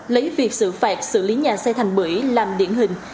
lấy việc xử phạt xử lý nhà xe thành bưởi làm điển hình